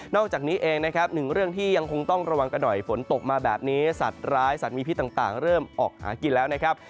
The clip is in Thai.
อกจากนี้เองนะครับหนึ่งเรื่องที่ยังคงต้องระวังกันหน่อยฝนตกมาแบบนี้สัตว์ร้ายสัตว์มีพิษต่างเริ่มออกหากินแล้วนะครับ